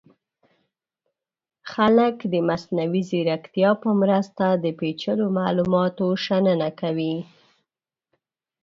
خلک د مصنوعي ځیرکتیا په مرسته د پیچلو معلوماتو شننه کوي.